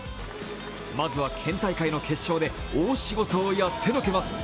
まずは県大会の決勝で大仕事をやってのけます。